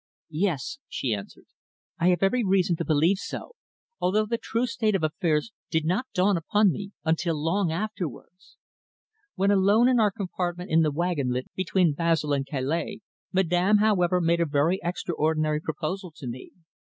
"Yes," she answered. "I have every reason to believe so, although the true state of affairs did not dawn upon me until long afterwards. When alone in our compartment in the wagon lit between Basle and Calais, Madame, however, made a very extraordinary proposal to me.